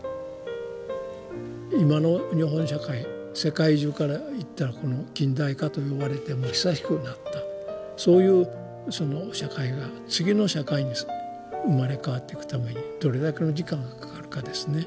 今の日本社会世界中から言ったらこの近代化と呼ばれてもう久しくなったそういう社会が次の社会に生まれ変わっていくためにどれだけの時間がかかるかですね。